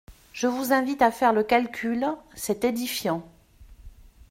Je vous invite à faire le calcul : c’est édifiant.